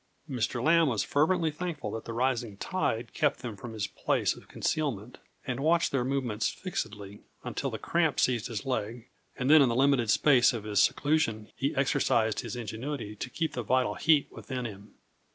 Mr. Lambe was fervently thankful that the rising tide kept them from his place of concealment, and watched their movements fixedly, until the cramp seized his leg; and then, in the limited space of his seclusion, he exercised his ingenuity to keep the vital heat within him.